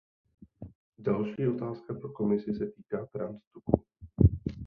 Další otázka pro Komisi se týká trans tuků.